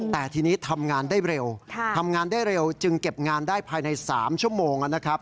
แต่ทีนี้ทำงานได้เร็วทำงานได้เร็วจึงเก็บงานได้ภายใน๓ชั่วโมงนะครับ